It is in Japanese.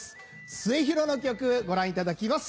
末広の曲ご覧いただきます。